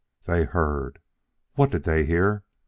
They heard what did they hear?